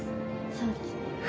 そうですね。